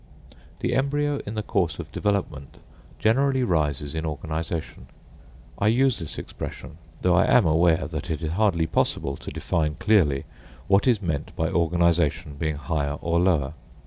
The embryo in the course of development generally rises in organisation. I use this expression, though I am aware that it is hardly possible to define clearly what is meant by organisation being higher or lower.